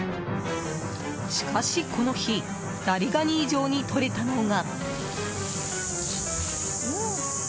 しかし、この日ザリガニ以上にとれたのが。